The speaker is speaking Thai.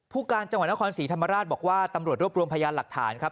การจังหวัดนครศรีธรรมราชบอกว่าตำรวจรวบรวมพยานหลักฐานครับ